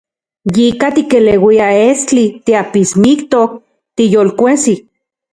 Yika tikeleuia estli, tiapismiktok, tiyolkuejsi.